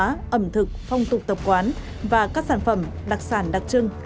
ẩm thực phong tục tập quán và các sản phẩm đặc sản đặc trưng